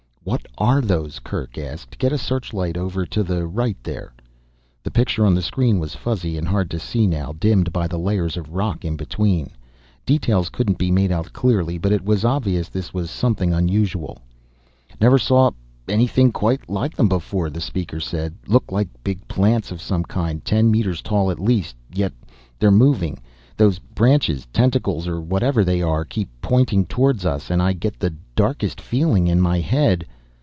"What are those?" Kerk asked. "Get a searchlight over to the right there." The picture on the screen was fuzzy and hard to see now, dimmed by the layers of rock in between. Details couldn't be made out clearly, but it was obvious this was something unusual. "Never saw ... anything quite like them before," the speaker said. "Look like big plants of some kind, ten meters tall at least yet they're moving. Those branches, tentacles or whatever they are, keep pointing towards us and I get the darkest feeling in my head